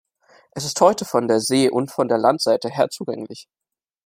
Es ist heute von der See- und von der Landseite her zugänglich.